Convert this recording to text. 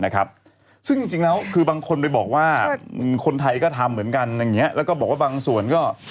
คุณอ่านอาขยาเหนือเลย